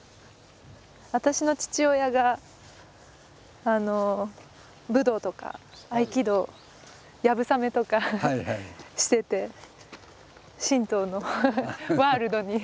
私の父親が武道とか合気道流鏑馬とかしてて神道のワールドに。